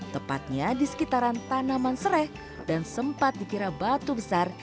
tepatnya di sekitaran tanaman sereh dan sempat dikira batu besar